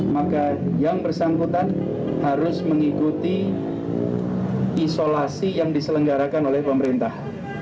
maka yang bersangkutan harus mengikuti isolasi yang diselenggarakan oleh pemerintah